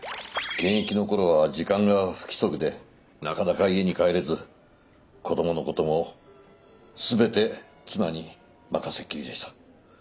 現役の頃は時間が不規則でなかなか家に帰れず子どものことも全て妻に任せっきりでした。